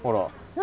何？